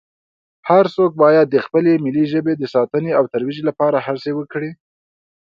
هر څو باید د خپلې ملي ژبې د ساتنې او ترویج لپاره هڅې وکړي